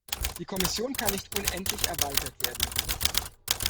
Die Kommission kann nicht unendlich erweitert werden.